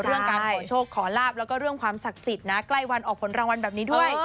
เรื่องการขอโชคขอลาบแล้วก็เรื่องความศักดิ์สิทธิ์นะใกล้วันออกผลรางวัลแบบนี้ด้วย